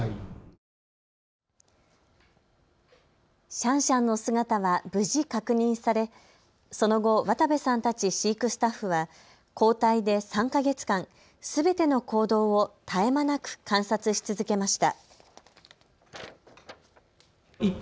シャンシャンの姿は無事確認されその後、渡部さんたち飼育スタッフは交代で３か月間、すべての行動を絶え間なく観察し続けました。